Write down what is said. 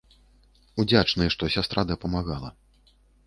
Удзячны, што сястра дапамагала.